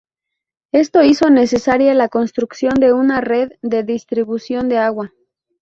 Esto hizo necesaria la construcción de una red de distribución de agua.